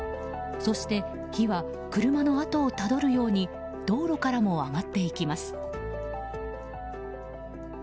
そして火は車のあとをたどるように道路からも上がっていきます。